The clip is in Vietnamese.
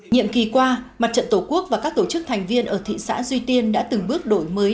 nhiệm kỳ qua mặt trận tổ quốc và các tổ chức thành viên ở thị xã duy tiên đã từng bước đổi mới